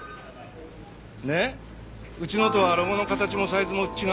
うちのとはロゴの形もサイズも違うでしょ？